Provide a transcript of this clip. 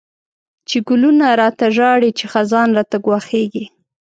چی گلونه را ته ژاړی، چی خزان راته گواښیږی